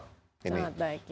sangat baik ya